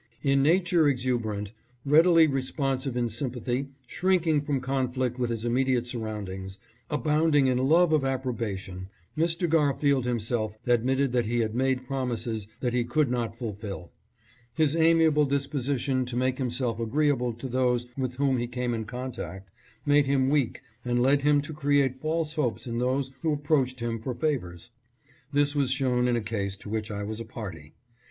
In nature exuberant, readily responsive in sympathy, shrinking from conflict with his immediate surroundings, abounding in love of approbation, Mr. Garfield himself admitted that he had made promises that he could not fulfill. His amiable disposition to make himself agreeable to those with whom he came in contact made him weak and led him to create false hopes in those who approached him for favors. This was shown in a case to which I was a party.